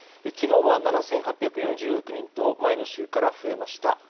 昨日は７８４６人と前の週から増えました。